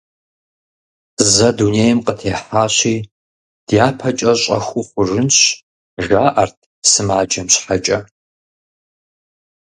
Зэ дунейм къытехьащи, дяпэкӀэ щӀэхыу хъужынщ, – жаӀэрт сымаджэм щхьэкӀэ.